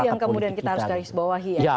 yang kemudian kita harus garis bawahi ya